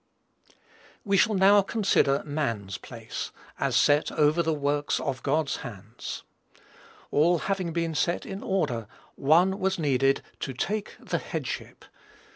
We shall now consider man's place, as set over the works of God's hands. All having been set in order, one was needed to take the headship.